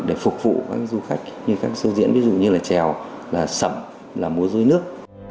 để phục vụ các du khách như các sưu diễn ví dụ như là trèo là sẩm là mua rưới nước